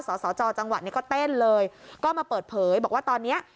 สสจจังหวัดเนี่ยก็เต้นเลยก็มาเปิดเผยบอกว่าตอนเนี้ย